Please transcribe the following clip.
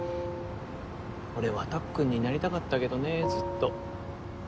俺はたっくんになりたかったけどねずっと。